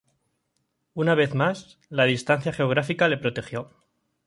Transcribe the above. Una vez más, la distancia geográfica le protegió.